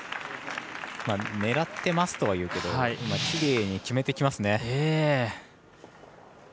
狙ってますとは言うけどきれいに決めてきますね。